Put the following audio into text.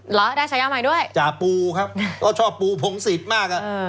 เหรอได้ฉายาใหม่ด้วยจ่าปูครับก็ชอบปูพงศิษย์มากอ่ะ